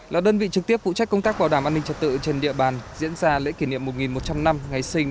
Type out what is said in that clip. là đơn vị trực tiếp phụ trách công tác bảo đảm an ninh trật tự trên địa bàn diễn ra lễ kỷ niệm một một trăm linh năm ngày sinh